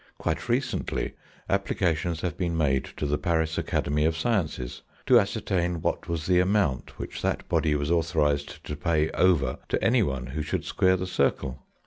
Quite recently, applications have been made to the Paris Academy of Sciences, to ascertain what was the amount which that body was authorised to pay over to anyone who should square the circle.